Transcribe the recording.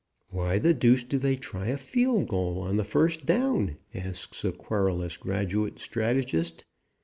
"Why the deuce do they try a field goal on the first down?" asks a querulous graduate strategist.